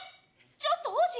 ちょっと王子